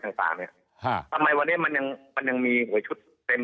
ต่างต่างเนี้ยฮะทำไมวันนี้มันยังมันยังมีหวยชุดเต็ม